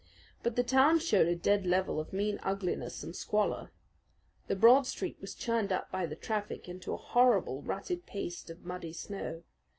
But the town showed a dead level of mean ugliness and squalor. The broad street was churned up by the traffic into a horrible rutted paste of muddy snow.